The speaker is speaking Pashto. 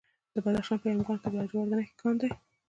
د بدخشان په یمګان کې د لاجوردو کان دی.